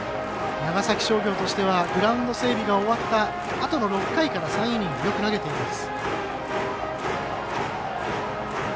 長崎商業としてはグラウンド整備が終わった６回から３イニングよく投げています。